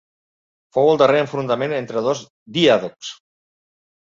Fou el darrer enfrontament entre dos diàdocs.